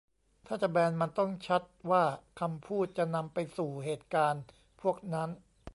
ถ้าจะแบน มันต้องชัดว่าคำพูดจะนำไปสู่เหตุการณ์พวกนั้น